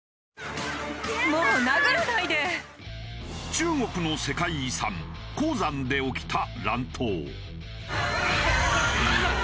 中国の世界遺産黄山で起きた乱闘。